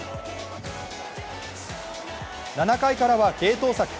７回からは継投策。